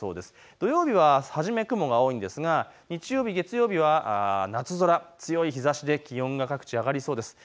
土曜日は初め雲が多いんですが日曜日、月曜日は夏空、強い日ざしで気温が各地、上がりそうです。